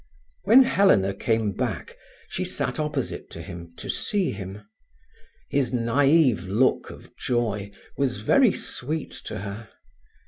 When Helena came back, she sat opposite to him to see him. His naïve look of joy was very sweet to her.